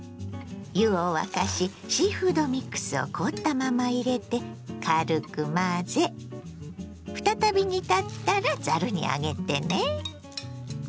湯を沸かしシーフードミックスを凍ったまま入れて軽く混ぜ再び煮立ったらざるに上げてね。